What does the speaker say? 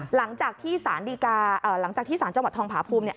หลังจากที่สารดีกาหลังจากที่สารจังหวัดทองผาภูมิเนี่ย